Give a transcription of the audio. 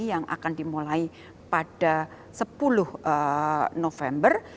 yang akan dimulai pada sepuluh november